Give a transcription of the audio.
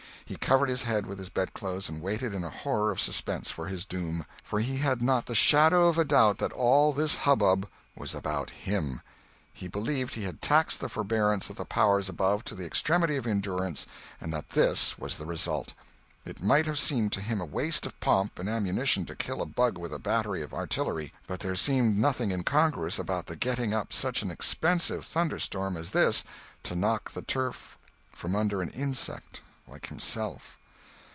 He covered his head with the bedclothes and waited in a horror of suspense for his doom; for he had not the shadow of a doubt that all this hubbub was about him. He believed he had taxed the forbearance of the powers above to the extremity of endurance and that this was the result. It might have seemed to him a waste of pomp and ammunition to kill a bug with a battery of artillery, but there seemed nothing incongruous about the getting up such an expensive thunderstorm as this to knock the turf from under an insect like himself.